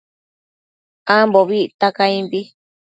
Ambobi icta caimbi